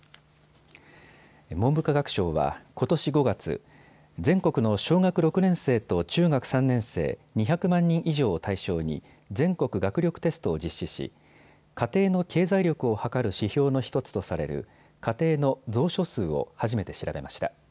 文部科学省は、ことし５月、全国の小学６年生と中学３年生２００万人以上を対象に全国学力テストを実施し家庭の経済力をはかる指標の１つとされる家庭の蔵書数を初めて調べました。